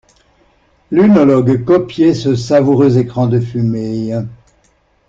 L'œnologue copiait ce savoureux écran de fumée.